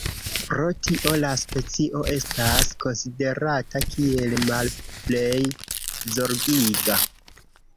Pro tio la specio estas konsiderata kiel "Malplej Zorgiga".